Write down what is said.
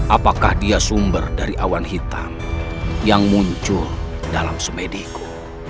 apakah dia sumber dari awan hitam yang muncul dalam semediku